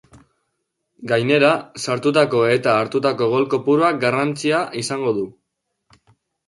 Gainera, sartutako eta hartutako gol kopuruak garrantzia izango du.